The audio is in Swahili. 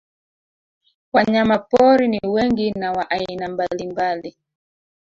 Wanyamapori ni wengi na wa aina mbalimbali